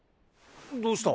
どうした？